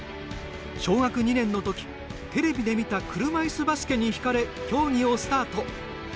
小学２年のとき、テレビで見た車いすバスケにひかれ競技をスタート。